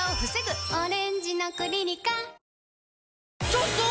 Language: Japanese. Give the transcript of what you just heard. ちょっとー！